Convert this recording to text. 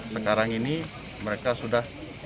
sekarang ini mereka sudah